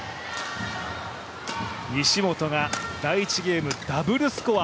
西本が第１ゲームダブルスコア。